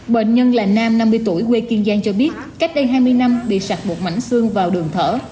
bệnh nhân là nam năm mươi tuổi quê kiên giang cho biết cách đây hai mươi năm bị sạch một mảnh xương vào đường thở